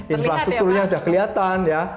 infrastrukturnya sudah kelihatan ya